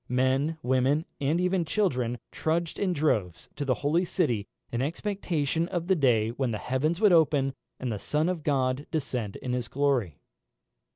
Men, women, and even children, trudged in droves to the holy city, in expectation of the day when the heavens would open, and the Son of God descend in his glory.